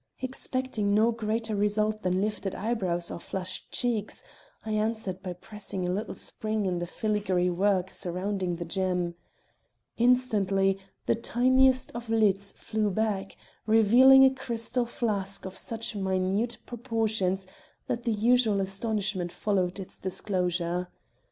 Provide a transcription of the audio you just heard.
Expecting no greater result than lifted eyebrows or flushed cheeks, I answered by pressing a little spring in the filigree work surrounding the gem. Instantly, the tiniest of lids flew back, revealing a crystal flask of such minute proportions that the usual astonishment followed its disclosure.